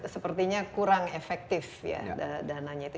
sepertinya kurang efektif ya dananya itu